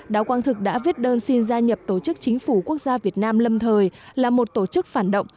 đào quang thực đã viết đơn xin gia nhập tổ chức chính phủ quốc gia việt nam lâm thời là một tổ chức phản động